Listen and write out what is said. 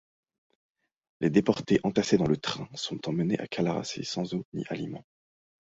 Les déportés, entassés dans le train, sont emmenés à CălăraȘi sans eau ni aliments.